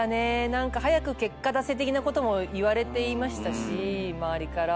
何か早く結果出せ的なことも言われていましたし周りから。